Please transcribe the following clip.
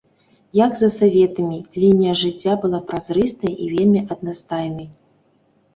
Як за саветамі, лінія жыцця была празрыстай і вельмі аднастайнай.